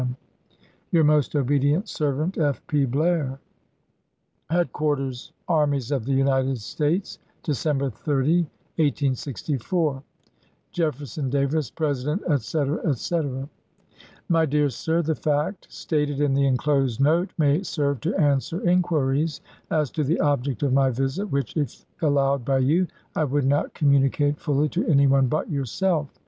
Mg Your most obedient servant, F. P. Blair. BLAIR'S MEXICAN PROJECT 95 Headquarters Armies of the United States, chap. v. December 30, 1864. Jefferson Davis, President, etc., etc. My dear Sir : The fact stated in the inclosed note may serve to answer inquiries as to the object of my visit, which, if allowed by you, I would not communicate fully to any one but yourself.